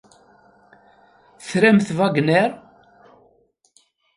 Tramt Wagner?